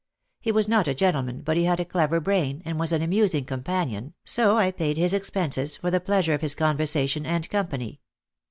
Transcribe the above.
He was not a gentleman, but he had a clever brain, and was an amusing companion, so I paid his expenses for the pleasure of his conversation and company.